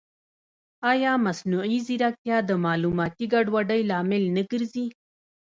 ایا مصنوعي ځیرکتیا د معلوماتي ګډوډۍ لامل نه ګرځي؟